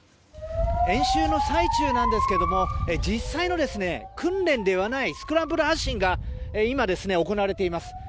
演習の最中なんですが実際の訓練ではないスクランブル発進が今、行われています。